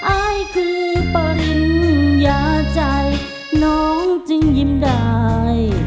อายคือปริญญาใจน้องจึงยิ้มได้